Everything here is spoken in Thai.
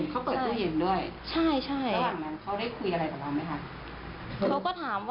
เขาเปิดตู้เย็นด้วยใช่ใช่ระหว่างนั้นเขาได้คุยอะไรกับเราไหมคะ